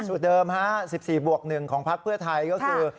เดิมฮะ๑๔บวก๑ของพักเพื่อไทยก็คือ